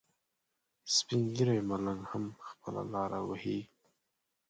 سپین ږیری ملنګ هم خپله لاره وهي.